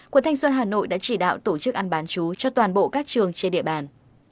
quận thanh xuân hà nội đã chỉ đạo tổ chức ăn bán chú cho toàn bộ các trường trên địa bàn